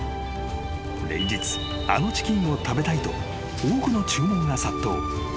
［連日あのチキンを食べたいと多くの注文が殺到］